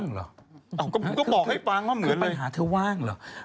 นั่นจริงเหรอเขาส่ง